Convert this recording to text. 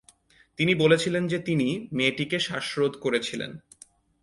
তিনি বলেছিলেন যে তিনি "মেয়েটিকে শ্বাসরোধ করেছিলেন"।